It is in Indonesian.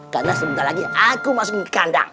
karena sebentar lagi aku masuk ke kandang